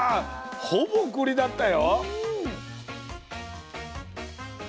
ほぼくりだったよ。